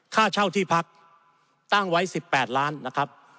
ค่าเช่าที่พักตั้งไว้๑๘ล้านนะครับ